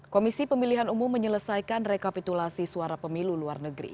komisi pemilihan umum menyelesaikan rekapitulasi suara pemilu luar negeri